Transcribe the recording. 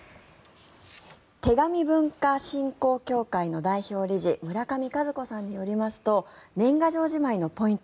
手紙文化振興協会の代表理事むらかみかずこさんによりますと年賀状じまいのポイント